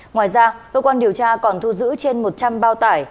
ngoài ra cơ quan điều tra còn thu giữ trên một trăm linh bao tải